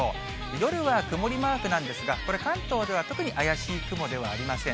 夜は曇りマークなんですが、これ、関東では特に怪しい雲ではありません。